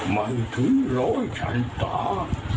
มีถือร้อยฉันตา